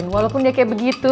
walaupun dia kayak begitu